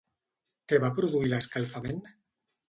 Què va produir l'escalfament?